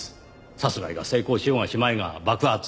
殺害が成功しようがしまいが爆発する。